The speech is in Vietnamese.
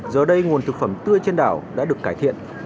giờ đây nguồn thực phẩm tươi trên đảo đã được cải thiện